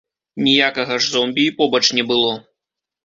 Ніякага ж зомбі і побач не было.